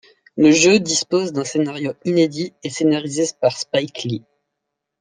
Le jeu dispose d'un scénario inédit et scénarisé par Spike Lee.